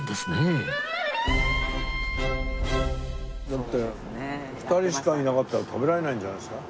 だって２人しかいなかったら食べられないんじゃないですか？